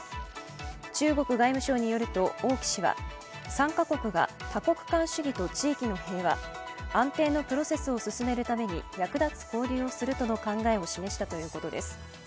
中国外務省によると、王毅氏は、３か国が多国間主義と地域の平和、安定のプロセスを進めるために役立つ交流をするとの考えを示したということです。